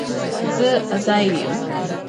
زه عزير يم